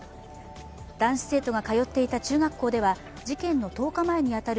男子生徒が通っていた中学校では事件の１０日前に当たる